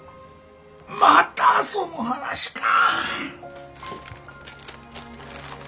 またその話か。